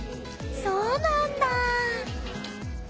そうなんだ！